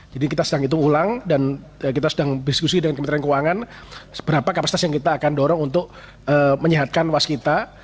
jadi kita sedang hitung ulang dan kita sedang diskusi dengan kementerian keuangan seberapa kapasitas yang kita akan dorong untuk menyehatkan waskita